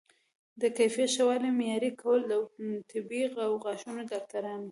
د کیفیت ښه والی معیاري کول او د طبي او غاښونو ډاکټرانو